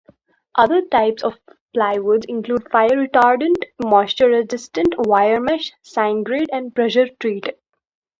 Other types of plywoods include fire-retardant, moisture-resistant, wire mesh, sign-grade, and pressure-treated.